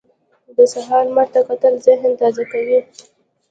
د سهار لمر ته کتل ذهن تازه کوي.